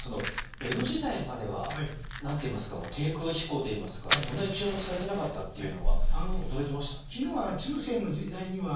江戸時代までは何て言いますか低空飛行といいますかそんなに注目されてなかったっていうのが驚きました。